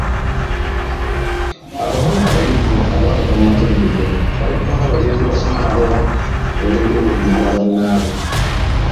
Abawala abayivu abaakava mu matendekero balekawo abalenzi be basoma nabo ne bayingirira obufumbo bwa bannaabwe.